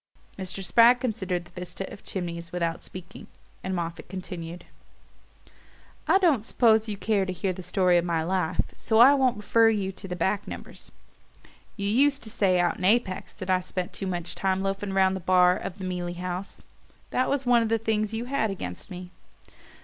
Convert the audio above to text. Mr. Spragg considered the vista of chimneys without speaking, and Moffatt continued: "I don't suppose you care to hear the story of my life, so I won't refer you to the back numbers. You used to say out in Apex that I spent too much time loafing round the bar of the Mealey House; that was one of the things you had against me.